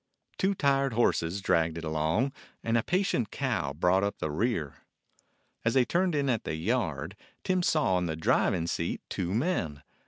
Two tired horses dragged it along, and a patient cow brought up the rear. As they turned in at the yard, Tim saw on the driving seat two men.